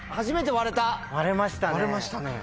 割れましたね。